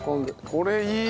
これいい！